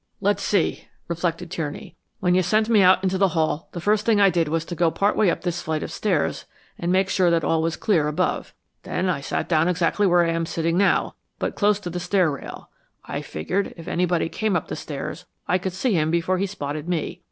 "Let's see," reflected Tierney. "When you sent me out into the hall, the first thing I did was to go part way up this flight of stairs and make sure that all was clear above. Then I sat down exactly where I am sitting now, but close to the stair rail. I figured that if anybody came up the stairs I could see him before he spotted me.